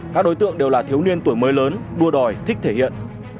các đối tượng đều là thiếu niên tuổi mới lớn đua đòi thích thể hiện